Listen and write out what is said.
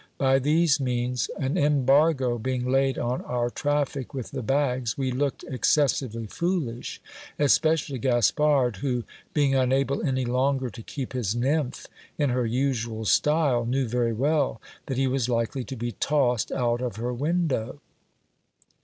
By these means, an embargo being laid on our traffic with the bags, we looked excessively foolish, 380 GIL BLAS. especially Gaspard, who, being unable any longer to keep his nymph in her usual style, knew very well that he was likely to be tossed out of her window.